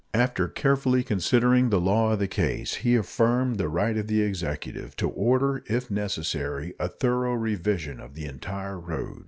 After carefully considering the law of the case, he affirmed the right of the Executive to order, if necessary, a thorough revision of the entire road.